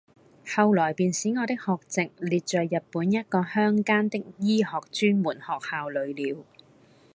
後來便使我的學籍列在日本一個鄉間的醫學專門學校裏了。